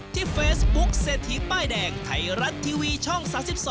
ที่เฟซบุ๊คเศรษฐีป้ายแดงไทยรัฐทีวีช่อง๓๒